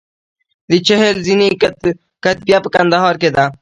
د چهل زینې کتیبه په کندهار کې ده